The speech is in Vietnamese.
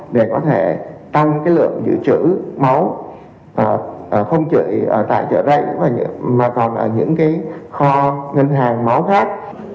để có thể tăng lượng dự trữ máu không chỉ tại chợ rảnh mà còn ở những kho ngân hàng máu khác